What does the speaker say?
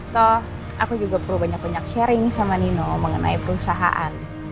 toh aku juga perlu banyak banyak sharing sama nino mengenai perusahaan